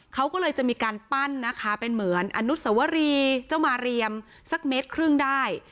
เขาก็เลยจะมีการปั้นนะคะเป็นเหมือนอนุสวรีเจ้ามาเรียมสักเมตรครึ่งได้